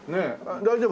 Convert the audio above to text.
大丈夫。